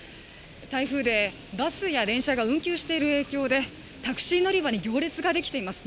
台風でバスや電車が運休している影響でタクシー乗り場に行列ができています。